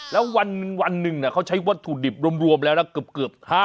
แล้ววันหนึ่งเขาใช้วัตถุดิบรวมแล้วนะเกือบ๕๐๐